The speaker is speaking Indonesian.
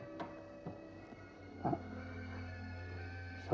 terima kasih om